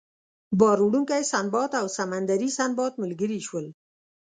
بار وړونکی سنباد او سمندري سنباد ملګري شول.